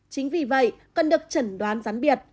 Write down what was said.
chính vì vậy cần được chẩn đoán gián biệt